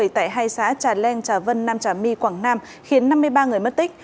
tại hai xã trà len trà vân nam trà my quảng nam khiến năm mươi ba người mất tích